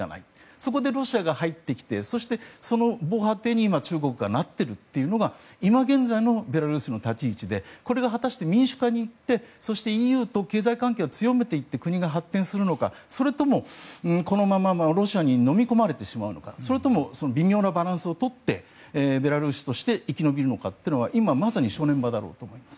そこで、ロシアが入ってきて防波堤に中国がなってるというのが今現在のベラルーシの立ち位置でこれが果たして民主化になってそしてＥＵと経済関係を強めていって発展するのか、それともこのままロシアにのみ込まれてしまうのかそれとも微妙なバランスをとってベラルーシとして生き延びるのか今、まさに正念場だろうと思います。